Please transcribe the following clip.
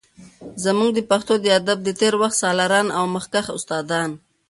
زمونږ د پښتو د ادب د تیر وخت سالاران او مخکښ استادان